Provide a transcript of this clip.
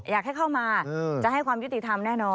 อยากให้เข้ามาจะให้ความยุติธรรมแน่นอน